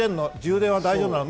充電は大丈夫なの？